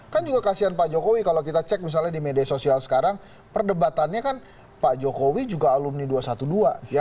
kan juga kasihan pak jokowi kalau kita cek misalnya di media sosial sekarang perdebatannya kan pak jokowi juga alumni dua ratus dua belas